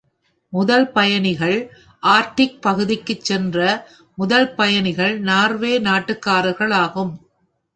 முதல் பயணிகள் ஆர்க்டிக் பகுதிக்குச் சென்ற முதல் பயணிகள் நார்வே நாட்டுக்காரர்கள் ஆகும்.